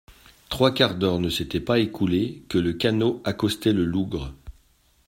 Trois quarts d'heure ne s'étaient pas écoulés que le canot accostait le lougre.